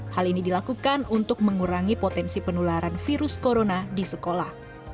hal ini dilakukan untuk mengurangi potensi penularan virus corona di sekolah